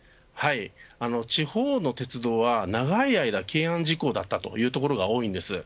地方の鉄道は、長い間懸案事項だったというところが多いんです。